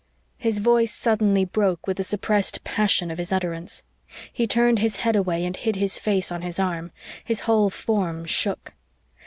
His voice suddenly broke with the suppressed passion of his utterance. He turned his head away and hid his face on his arm. His whole form shook.